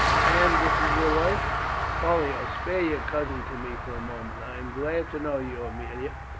And this is your wife? Pollio, spare your cousin to me for a moment. I am glad to know you, Aemilia.